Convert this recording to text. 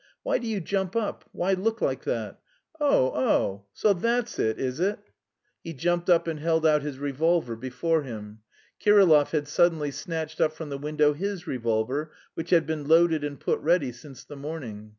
Why do you jump up? Why look like that? Oh oh, so that's it, is it?" He jumped up and held out his revolver before him. Kirillov had suddenly snatched up from the window his revolver, which had been loaded and put ready since the morning.